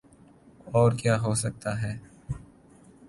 اورکیا ہوسکتاہے؟